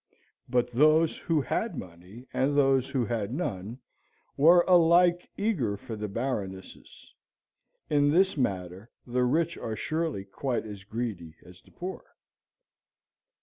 But those who had money, and those who had none, were alike eager for the Baroness's; in this matter the rich are surely quite as greedy as the poor.